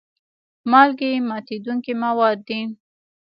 مالګې ماتیدونکي مواد دي.